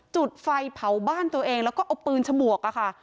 จุดไฟเผาบ้านตัวเองแล้วก็เอาปืนฉมวกอะค่ะ